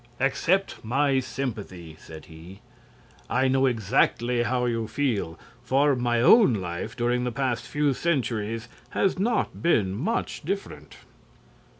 "Accept my sympathy!" said he. "I know exactly how you feel, for my own life during the past few centuries has not been much different."